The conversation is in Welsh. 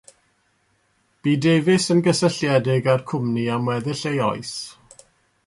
Bu Davies yn gysylltiedig â'r cwmni am weddill ei oes.